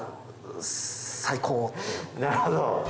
なるほど。